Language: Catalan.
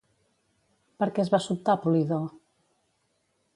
Per què es va sobtar Polidor?